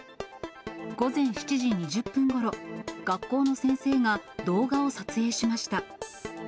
午前７時２０分ごろ、学校の先生が動画を撮影しました。